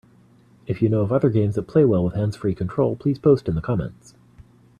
If you know of other games that play well with hands-free control, please post in the comments.